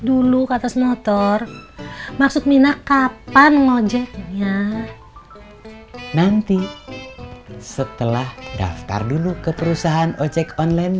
dulu ke atas motor maksud mina kapan ngojeknya nanti setelah daftar dulu ke perusahaan ojek online